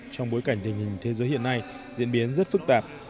trong bối cảnh tình hình thế giới hiện nay diễn biến rất phức tạp